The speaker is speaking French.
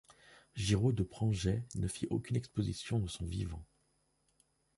Girault de Prangey ne fit aucune exposition de son vivant.